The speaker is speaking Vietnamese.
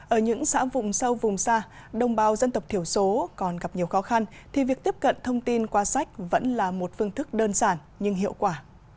ở những xã vùng sâu vùng xa đồng bào dân tộc thiểu số còn gặp nhiều khó khăn thì việc tiếp cận thông tin qua sách vẫn là một phương thức đơn giản nhưng hiệu quả